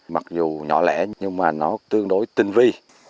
mặc dù nhỏ lẻ nhưng mà nó tương đối tinh vi